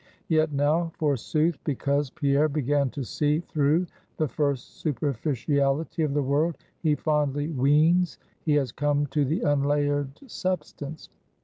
Yet now, forsooth, because Pierre began to see through the first superficiality of the world, he fondly weens he has come to the unlayered substance.